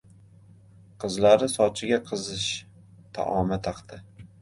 Qizlari sochiga qizish taoma taqdi.